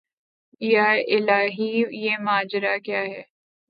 یا الٰہی یہ ماجرا کیا ہے